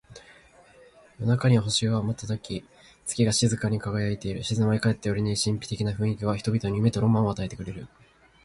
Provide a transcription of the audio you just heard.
夜空には星が瞬き、月が静かに輝いている。静まり返った夜に漂う神秘的な雰囲気は、人々に夢とロマンを与えてくれる。